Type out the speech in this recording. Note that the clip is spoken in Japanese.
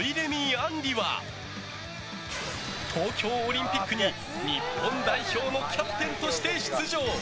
杏利は東京オリンピックに日本代表のキャプテンとして出場！